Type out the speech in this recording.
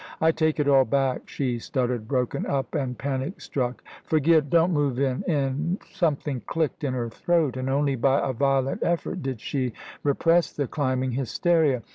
"I take it all back," she stuttered, broken up and panic struck. "Forget don't move in in " Something clicked in her throat, and only by a violent effort did she repress the climbing hysteria.